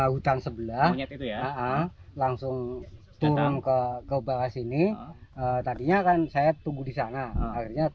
hutan sebelah langsung turun ke kebahas ini tadinya kan saya tunggu di sana kera itu banyak